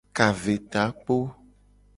Ka ve takpo.